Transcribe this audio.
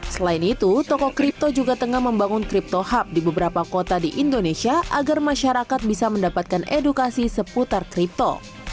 selain itu toko kripto juga tengah membangun crypto hub di beberapa kota di indonesia agar masyarakat bisa mendapatkan edukasi seputar kripto